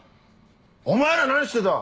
お前ら何してた！